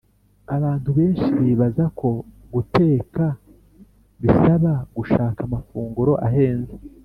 Abantu benshi bibazako guteka bisaba gushaka amafunguro ahenze,